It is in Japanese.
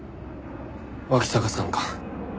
脇坂さんか。